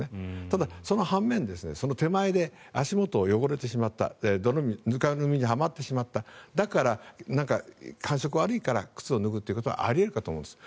ただ、その半面手前で足元が汚れてしまったぬかるみにはまってしまっただから、感触が悪いから靴を脱ぐことはあり得るかと思うんです。